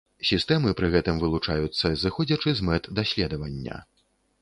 Сістэмы пры гэтым вылучаюцца зыходзячы з мэт даследавання.